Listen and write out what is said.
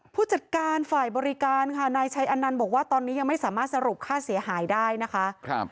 ผู้จัดการฝ่ายบริการค่ะนายชัยอนันต์บอกว่าตอนนี้ยังไม่สามารถสรุปค่าเสียหายได้นะคะ